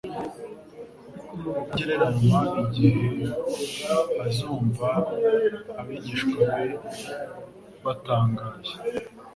rutagereranywa igihe azumva abigishwa be batangaye